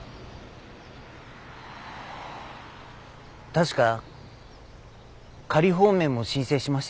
確か仮放免も申請しましたよね。